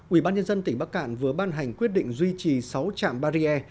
ubnd tỉnh bắc cạn vừa ban hành quyết định duy trì sáu trạm barriere